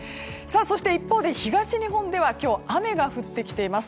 そして一方で東日本では今日、雨が降ってきています。